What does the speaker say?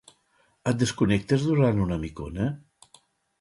Et desconnectes durant una micona?